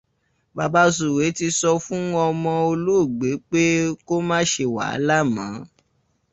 Bàbá Sùwé ti sọ fún ọmọ olóògbé pé kó má ṣe wàhálà mọ́